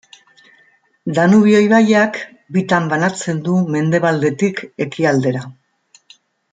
Danubio ibaiak bitan banatzen du mendebaldetik ekialdera.